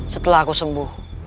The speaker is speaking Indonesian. setelah aku sembuh